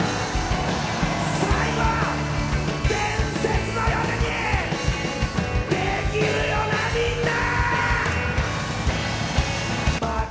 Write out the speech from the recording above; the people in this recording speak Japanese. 最後は伝説の夜にできるよな、みんな！